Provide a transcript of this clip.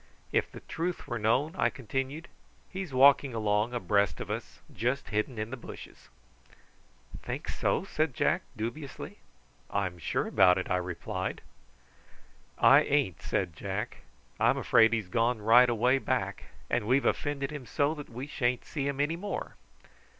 If the truth were known," I continued, "he's walking along abreast of us, just hidden in the bushes." "Think so?" said Jack dubiously. "I'm about sure of it," I replied. "I ain't," said Jack. "I'm afraid he's gone right away back; and we've offended him so that we sha'n't see him any more."